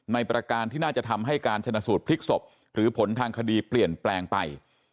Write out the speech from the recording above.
ประการที่น่าจะทำให้การชนะสูตรพลิกศพหรือผลทางคดีเปลี่ยนแปลงไป